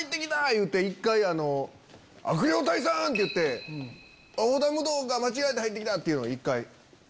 言うて一回「悪霊退散！」って言って織田無道が間違えて入って来た！っていうのを一回。